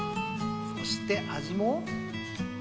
そして味も。